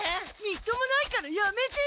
みっともないからやめて！